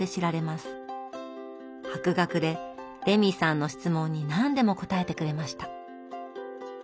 博学でレミさんの質問に何でも答えてくれました。